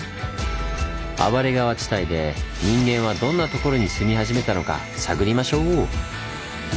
暴れ川地帯で人間はどんなところに住み始めたのか探りましょう！